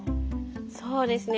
そうですね。